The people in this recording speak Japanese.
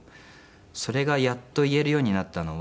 それがやっと言えるようになったのは。